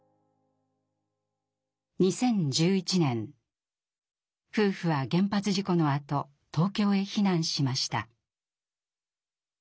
２０１１年夫婦は原発事故のあと東京へ避難しました。